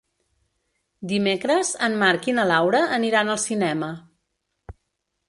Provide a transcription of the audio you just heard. Dimecres en Marc i na Laura aniran al cinema.